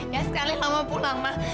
ya sekali lama pulang mah